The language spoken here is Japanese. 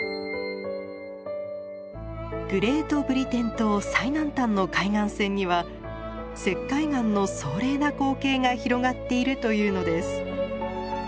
グレートブリテン島最南端の海岸線には石灰岩の壮麗な光景が広がっているというのです。